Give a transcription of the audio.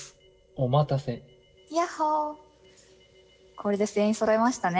これで全員そろいましたね。